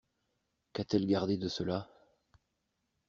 Qu'a-t-elle gardé de cela.